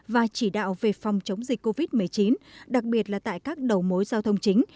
và chỉ đạo về phòng chống dịch covid một mươi chín đặc biệt là tại các đầu mối giao thông chính